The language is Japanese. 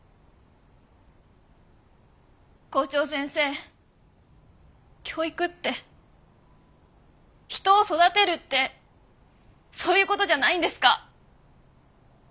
校長先生教育って人を育てるってそういうことじゃないんですか？